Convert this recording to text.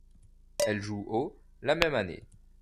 Elle joue au ' la même année.